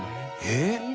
えっ！